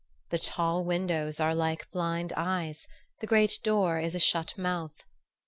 The tall windows are like blind eyes, the great door is a shut mouth.